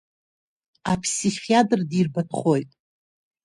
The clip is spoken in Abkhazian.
Аԥсихиатр дирбатәхоит.